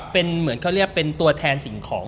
เป็นเหมือนเขาเรียกเป็นตัวแทนสิ่งของ